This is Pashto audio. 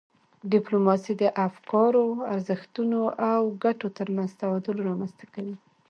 ډیپلوماسي د افکارو، ارزښتونو او ګټو ترمنځ تعادل رامنځته کوي.